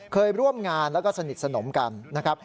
เคยร่วมงานแล้วก็สนิทสนมกันนะครับ